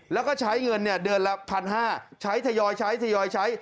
แล้วก็ใช้เงินเนี่ยเดือนละพันห้าใช้ถยอยใช้ถยอยใช้